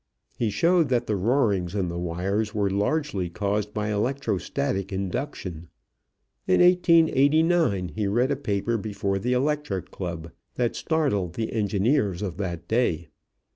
He showed that the roarings in the wires were largely caused by electro static induction. In 1889 he read a paper before the Electric Club that startled the engineers of that day.